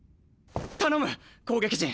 頼む攻撃陣！